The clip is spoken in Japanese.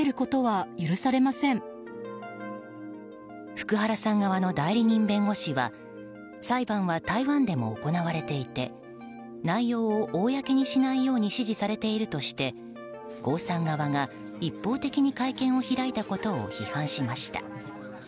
福原さん側の代理人弁護士は裁判は台湾でも行われていて内容を公にしないように指示されているとして江さん側が一方的に会見を開いたことを批判しました。